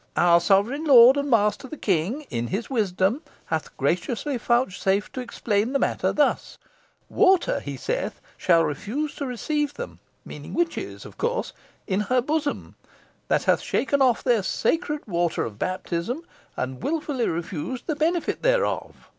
Our sovereign lord and master the king, in his wisdom, hath graciously vouchsafed to explain the matter thus: 'Water,' he saith, 'shall refuse to receive them (meaning witches, of course) in her bosom, that have shaken off their sacred water of baptism, and wilfully refused the benefit thereof.'